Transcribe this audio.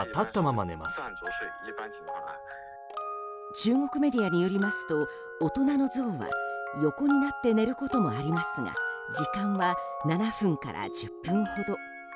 中国メディアによりますと大人のゾウは横になって寝ることもありますが時間は７分から１０分ほど。